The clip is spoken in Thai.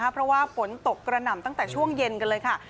เพราะว่าฝนตกกระหน่ำตั้งแต่ช่วงเย็นกันเลยค่ะ